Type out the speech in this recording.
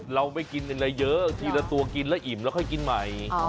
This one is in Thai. เราไม่กินอะไรเยอะทีละตัวกินแล้วอิ่มแล้วค่อยกินใหม่